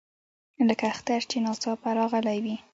لکه اختر چې ناڅاپه راغلی وي.